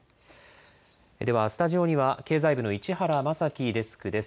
ではスタジオには経済部の市原将樹デスクです。